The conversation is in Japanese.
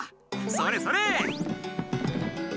それそれ！